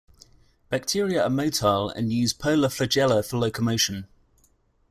Bacteria are motile, and use polar flagella for locomotion.